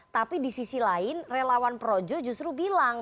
tapi di sisi lain relawan projo justru bilang